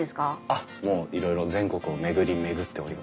あっもういろいろ全国を巡り巡っております。